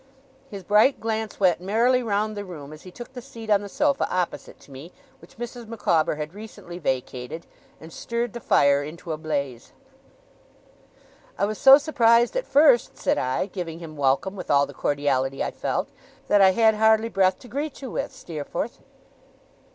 His bright glance went merrily round the room, as he took the seat on the sofa opposite to me, which Mrs. Micawber had recently vacated, and stirred the fire into a blaze. 'I was so surprised at first,' said I, giving him welcome with all the cordiality I felt, 'that I had hardly breath to greet you with, Steerforth.